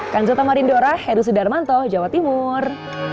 kanjotamarin dora heru sudarmanto jawa timur